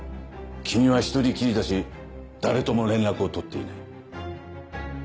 君は一人きりだし誰とも連絡を取っていない。